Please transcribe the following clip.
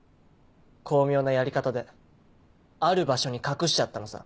巧妙なやり方である場所に隠してあったのさ。